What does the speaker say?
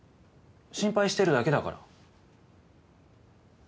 心配してるだけだから。